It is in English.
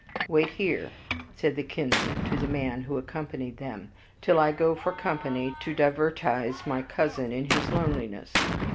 "Wait here," said the kinsman, to the man who accompanied them, "till I go for company to divertise my cousin in his loneliness."